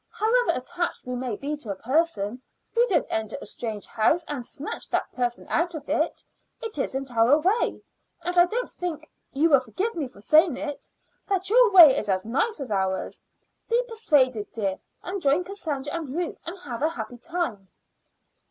However attached we may be to a person, we don't enter a strange house and snatch that person out of it. It isn't our way; and I don't think you will forgive me for saying it that your way is as nice as ours. Be persuaded, dear, and join Cassandra and Ruth, and have a happy time."